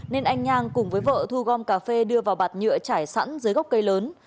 nên anh nhang cùng với vợ thu gom cà phê đưa vào bạt nhựa chảy sẵn dưới gốc cây lớn